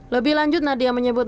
lebih lanjut nadia menyebut